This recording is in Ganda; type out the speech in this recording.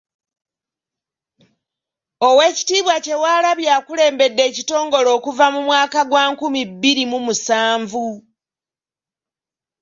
Oweekitiibwa Kyewalabye akulembedde ekitongole okuva mu mwaka gwa nkumi bbiri mu musanvu.